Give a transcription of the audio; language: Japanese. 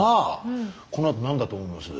このあと何だと思います？